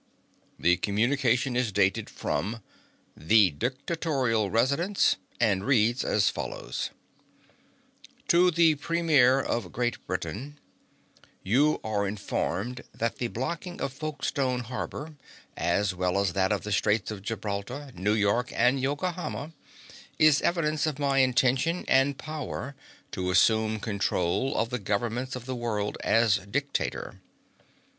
The communication is dated from "The Dictatorial Residence," and reads as follows: "TO THE PREMIER OF GREAT BRITAIN: You are informed that the blocking of Folkestone harbor, as well as that of the Straits of Gibraltar, New York, and Yokohama, is evidence of my intention and power to assume control of the governments of the world as dictator.